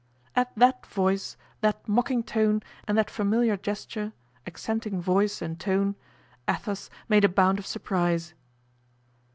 At that voice, that mocking tone, and that familiar gesture, accenting voice and tone, Athos made a bound of surprise.